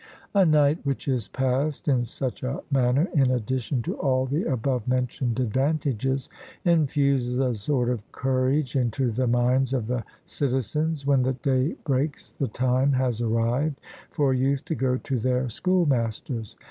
A night which is passed in such a manner, in addition to all the above mentioned advantages, infuses a sort of courage into the minds of the citizens. When the day breaks, the time has arrived for youth to go to their schoolmasters.